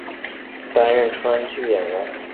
担任川剧演员。